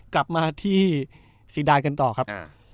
กลับมาที่ซีดานกันต่อครับ